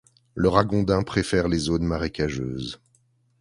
Le ragondin préfère les zones marécageuses.